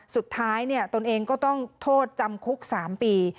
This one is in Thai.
ตนเองก็ต้องโทษจำคุก๓ปี